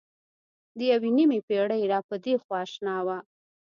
د یوې نیمې پېړۍ را پدېخوا اشنا وه.